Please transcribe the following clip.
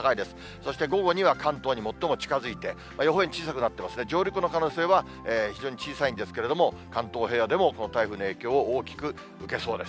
そして午後には関東に最も近づいて、予報円小さくなってますね、上陸の可能性は非常に小さいんですけれども、関東平野でもこの台風の影響を大きく受けそうです。